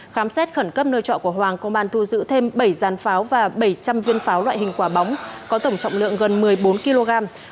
khám xét khẩn cấp nơi trọ của hoàng công an thu giữ thêm bảy giàn pháo và bảy trăm linh viên pháo loại hình quả bóng có tổng trọng lượng gần một mươi bốn kg